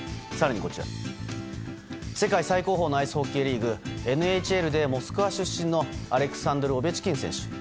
更に、こちら世界最高峰のアイスホッケーリーグＮＨＬでモスクワ出身のアレクサンドル・オベチキン選手。